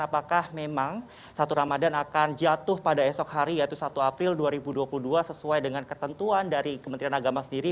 apakah memang satu ramadan akan jatuh pada esok hari yaitu satu april dua ribu dua puluh dua sesuai dengan ketentuan dari kementerian agama sendiri